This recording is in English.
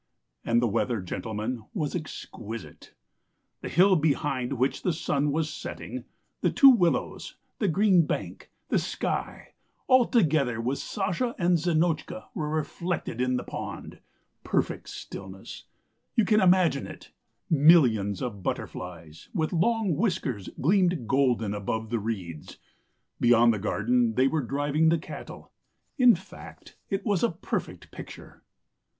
And the weather, gentlemen, was exquisite. ... The hill behind which the sun was setting, the two willows, the green bank, the sky all together with Sasha and Zinotchka were reflected in the pond ... perfect stillness ... you can imagine it. Millions of butterflies with long whiskers gleamed golden above the reeds; beyond the garden they were driving the cattle. In fact, it was a perfect picture.